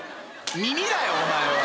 耳だよお前は。